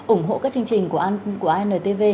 ủng hộ các chương trình của antv